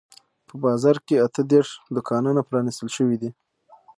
په بازار کې اته دیرش دوکانونه پرانیستل شوي دي.